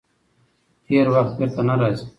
تېر وخت بېرته نه راځي.